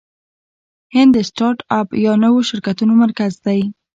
هند د سټارټ اپ یا نویو شرکتونو مرکز دی.